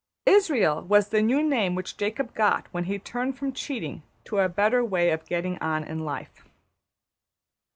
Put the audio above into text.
'' Israël was the new name which Jacob got when he turned from cheating to a better way of getting on in life.